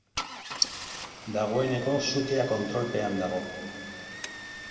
Dagoeneko sutea kontrolpean dago.